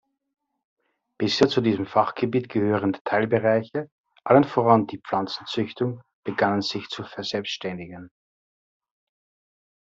Bisher zu diesem Fachgebiet gehörende Teilbereiche, allen voran die Pflanzenzüchtung, begannen sich zu verselbständigen.